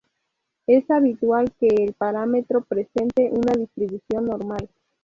Es habitual que el parámetro presente una distribución normal.